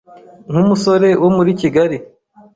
nk’umusore wo muri Kigali